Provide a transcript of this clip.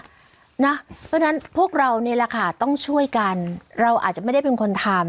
เพราะฉะนั้นพวกเรานี่แหละค่ะต้องช่วยกันเราอาจจะไม่ได้เป็นคนทำ